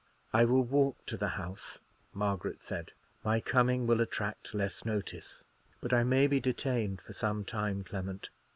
"I will walk to the house," Margaret said; "my coming will attract less notice. But I may be detained for some time, Clement.